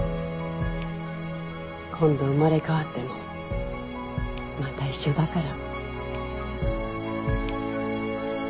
今度生まれ変わってもまた一緒だから。